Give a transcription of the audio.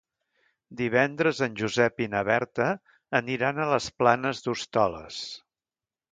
Divendres en Josep i na Berta aniran a les Planes d'Hostoles.